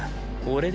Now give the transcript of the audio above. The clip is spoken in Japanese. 俺！